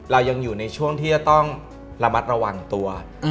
เรายังอยู่ในช่วงที่จะต้องระมัดระวังตัว